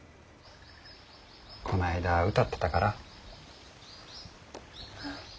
こないだ歌ってたから。